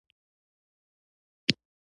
په محدود ډول دورتلو اجازه ورکړل شوه